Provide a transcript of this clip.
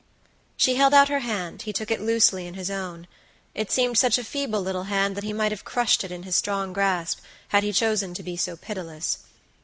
She held out her hand; he took it loosely in his own. It seemed such a feeble little hand that he might have crushed it in his strong grasp, had he chosen to be so pitiless.